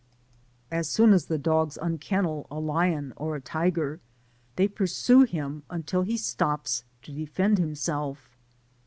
As soon as the dogs unkennel a lion or a tiger, they pursue him until he stops to defend himself.